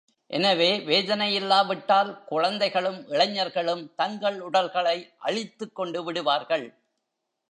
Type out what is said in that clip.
எனவே, வேதனை யில்லாவிட்டால், குழந்தைகளும் இளைஞர்களும் தங்கள் உடல்களை அழித்துக்கொண்டு விடுவார்கள்.